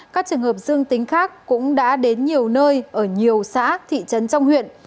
các trường hợp dương tính khác cũng đã đến nhiều nơi ở nhiều xã thị trấn trong huyện